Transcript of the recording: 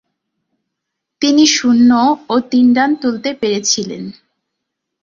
তিনি শূন্য ও তিন রান তুলতে পেরেছিলেন।